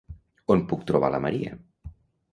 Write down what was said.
On puc trobar la Maria?